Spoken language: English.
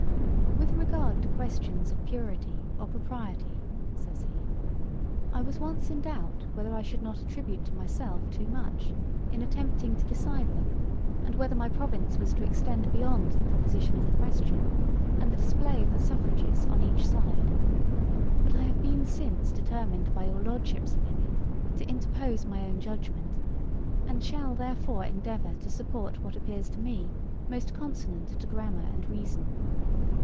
'With regard to questions of purity or propriety, (says he) I was once in doubt whether I should not attribute to myself too much in attempting to decide them, and whether my province was to extend beyond the proposition of the question, and the display of the suffrages on each side; but I have been since determined by your Lordship's opinion, to interpose my own judgement, and shall therefore endeavour to support what appears to me most consonant to grammar and reason.